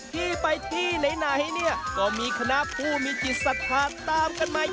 ที่ไปที่ไหนเนี่ยก็มีคณะผู้มีจิตสถาตรตามกันมา